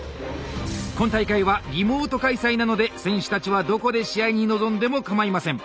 今大会はリモート開催なので選手たちはどこで試合に臨んでもかまいません。